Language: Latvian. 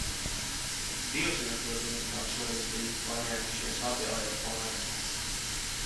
Dievs vien to zin, kā šoreiz bija paņēmušies abi airu pāri.